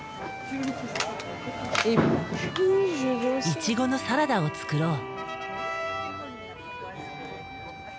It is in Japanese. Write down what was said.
イチゴのサラダを作ろう。